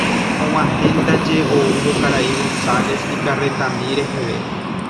Og̃uahẽndaje oúvo karai González ikarretami reheve.